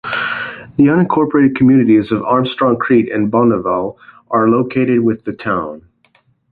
The unincorporated communities of Armstrong Creek and Bonneval are located with the town.